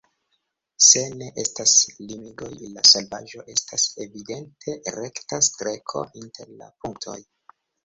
Se ne estas limigoj, la solvaĵo estas evidente rekta streko inter la punktoj.